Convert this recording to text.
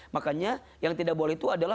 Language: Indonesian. makanya yang tidak boleh itu adalah